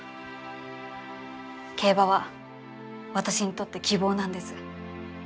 競馬は私にとって希望なんです。